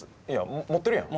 持ってるやん。